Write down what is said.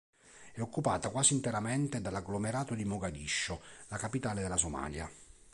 È occupata quasi interamente dall'agglomerato di Mogadiscio, la capitale della Somalia.